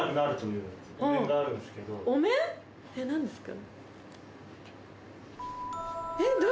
何ですか？